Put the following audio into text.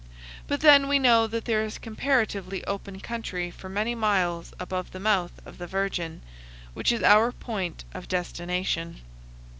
But then we know that there is comparatively open country for many miles above the mouth of the Virgen, which is our point of destination.